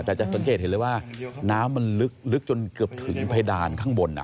แต่จะสังเกตเห็นเลยว่าน้ำมันลึกจนเกือบถึงเพดานข้างบน